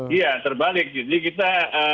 iya terbalik jadi kita